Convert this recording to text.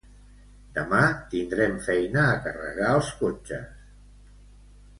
Demà tindrem feina a carregar els cotxes